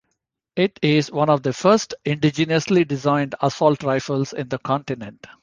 It is one of the first indigenously designed assault rifles in the continent.